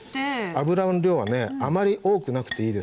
油の量はねあまり多くなくていいですが。